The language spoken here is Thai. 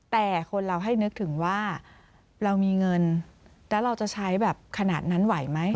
แต่คนเราให้นึกถึงว่าเรามีเงินแล้วเราจะใช้แบบขนาดนั้นไหวไหม